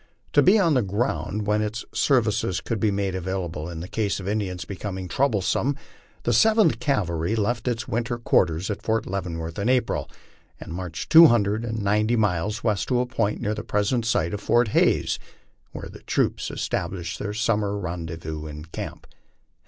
To be on the ground when its ser vices could be made available in case the Indians became troublesome, the Seventh Cavalry left its winter quarters at Fort Leavenworth in April, and marched two hundred and ninety miles west to a point near the present site of Fort Hays, where the troops established their summer rendezvous in camp.